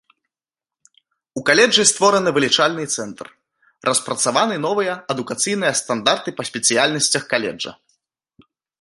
У каледжы створаны вылічальны цэнтр, распрацаваны новыя адукацыйныя стандарты па спецыяльнасцях каледжа.